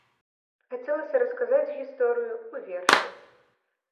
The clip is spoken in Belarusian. Хацелася расказаць гісторыю ў вершы.